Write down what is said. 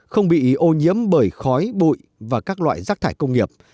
không bị ô nhiễm bởi khói bụi và các loại rác thải công nghiệp